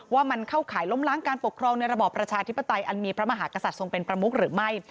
ว่ามันเข้าข่ายล้มล้างการปกครองในระบอบประชาธิปไตยอันมีพระมหากษัตริย์ทรงเป็นประมุกหรือไม่